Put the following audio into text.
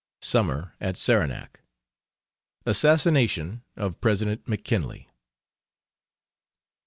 SUMMER AT SARANAC. ASSASSINATION OF PRESIDENT McKINLEY.